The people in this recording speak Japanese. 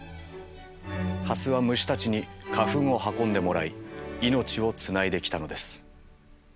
ハスは虫たちに花粉を運んでもらい命をつないできたのです。